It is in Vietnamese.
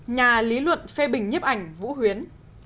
nhà lý luận phê bình nhiếp ảnh vũ huyến